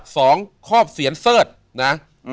สองครอบเสียนเสิร์จนะ